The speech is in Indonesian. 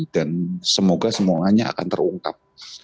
dan semoga semuanya akan terungkap